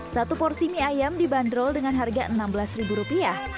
satu porsi mie ayam dibanderol dengan harga rp enam belas